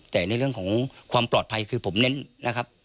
แต่ในเรื่องของความปลอดภัยคือผมเน้นนะครับ